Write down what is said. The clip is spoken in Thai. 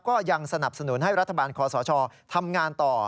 ก็ยังสนับสนุนให้รัฐบาลคอสชทำงานต่อ